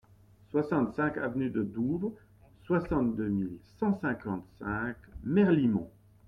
soixante-cinq avenue de Douvres, soixante-deux mille cent cinquante-cinq Merlimont